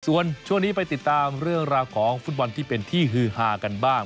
ส่วนช่วงนี้ไปติดตามเรื่องราวของฟุตบอลที่เป็นที่ฮือฮากันบ้าง